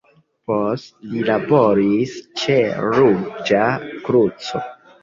Poste li laboris ĉe Ruĝa Kruco.